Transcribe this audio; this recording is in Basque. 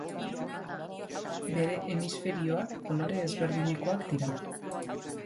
Bere hemisferioak kolore ezberdinekoak dira.